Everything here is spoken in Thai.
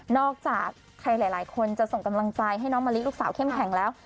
อกจากใครหลายคนจะส่งกำลังใจให้น้องมะลิลูกสาวเข้มแข็งแล้ว